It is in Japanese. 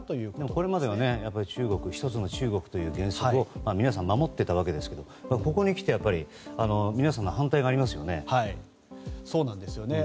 これまでは一つの中国で皆さん、守っていたわけですがここにきて皆さんの反対がありますよね。